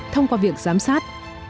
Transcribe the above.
thông qua việc giám sát